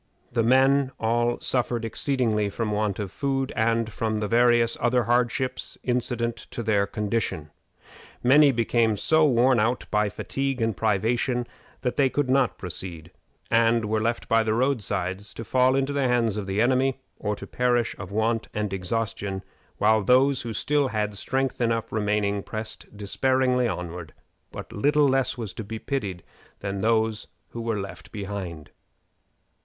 The men all suffered exceedingly from want of food, and from the various other hardships incident to their condition. Many became so worn out by fatigue and privation that they could not proceed, and were left by the road sides to fall into the hands of the enemy, or to perish of want and exhaustion; while those who still had strength enough remaining pressed despairingly onward, but little less to be pitied than those who were left behind.